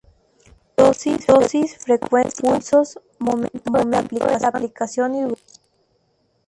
Dosis, frecuencia, pulsos, momento de la aplicación, y duración.